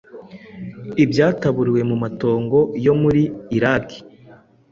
ibyataburuwe mu matongo yo muri Iraki